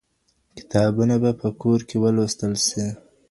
کتابونه به په کور کي ولوستل سي.